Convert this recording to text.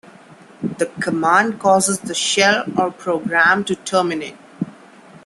The command causes the shell or program to terminate.